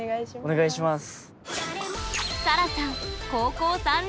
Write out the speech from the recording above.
お願いします。